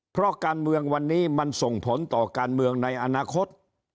เพราะการเมืองวันนี้มันส่งผลต่อการเมืองในอนาคต